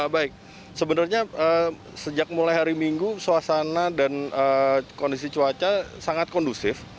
baik sebenarnya sejak mulai hari minggu suasana dan kondisi cuaca sangat kondusif